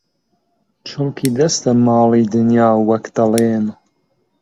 «چڵکی دەستە ماڵی دنیا» وەک دەڵێن